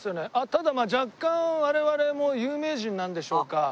ただまあ若干我々も有名人なんでしょうか？